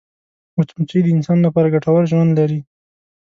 مچمچۍ د انسان لپاره ګټور ژوند لري